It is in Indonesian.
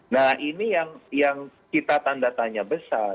nah ini yang kita tanda tanya besar